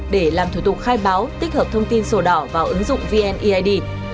để làm thủ tục khai báo tích hợp thông tin sổ đỏ vào ứng dụng vneid